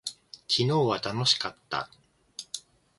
昨日は楽しかった。